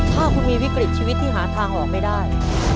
ถ้าคุณมีวิกฤตชีวิตที่หาทางออกไม่ได้